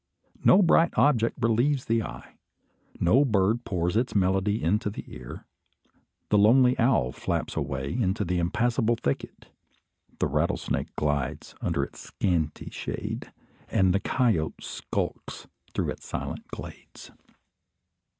No bright object relieves the eye; no bird pours its melody into the ear. The lonely owl flaps away into the impassable thicket, the rattlesnake glides under its scanty shade, and the coyote skulks through its silent glades.